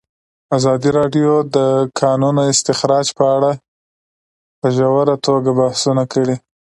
ازادي راډیو د د کانونو استخراج په اړه په ژوره توګه بحثونه کړي.